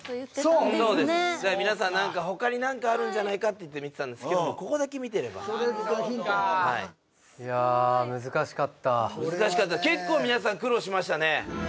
そうです皆さん何かほかに何かあるんじゃないかっていって見てたんですけどここだけ見てればそれがヒントかな難しかった結構皆さん苦労しましたね